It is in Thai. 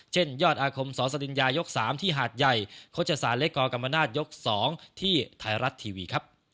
ยอดอาคมสอสริญญายก๓ที่หาดใหญ่โฆษศาลเล็กกกรรมนาศยก๒ที่ไทยรัฐทีวีครับ